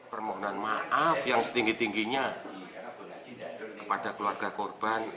permohonan maaf yang setinggi tingginya kepada keluarga korban